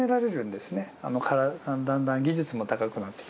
だんだん技術も高くなって。